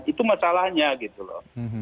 itu masalahnya gitu loh